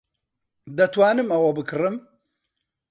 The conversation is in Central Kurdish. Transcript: دەتوانم ئەوە بکڕم؟